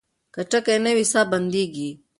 که ټکی نه وي ساه بندېږي.